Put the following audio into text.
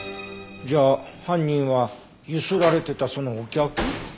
じゃあ犯人は強請られてたそのお客？